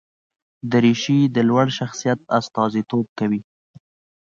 دریشي د لوړ شخصیت استازیتوب کوي.